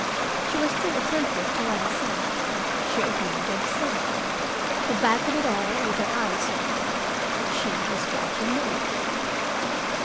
She was still attentive to what I said. She agreed or dissented. But back of it all, with her eyes on me, she was watching Maggie.